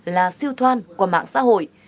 là siêu thoan qua mạng xã hội